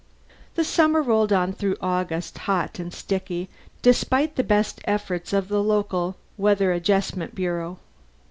The summer rolled on through August hot and sticky, despite the best efforts of the local weather adjustment bureau.